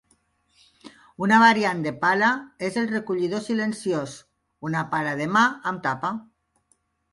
Una variant de pala és el recollidor silenciós, una pala de mà amb tapa.